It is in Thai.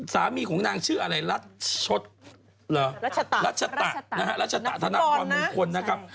สามีของนางชื่ออะไรรัชชดรัชชะรัชชะธนาคมงคลนะครับ